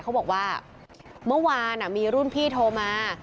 เขาบอกว่าเมื่อวานมีรุ่นพี่โทรมา